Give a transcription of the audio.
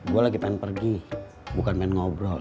gue lagi pengen pergi bukan main ngobrol